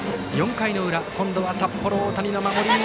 ４回裏、今度は札幌大谷の守り。